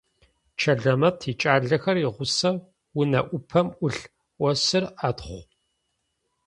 Чэлэмэт икӏалэхэр игъусэу, унэ ӏупэм ӏулъ осыр атхъу.